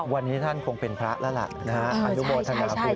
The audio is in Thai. วันนี้ท่านคงเป็นพระแล้วล่ะอทศคุณด้วย